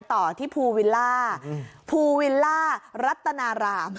ต่อที่ภูวิลล่าภูวิลล่ารัตนาราม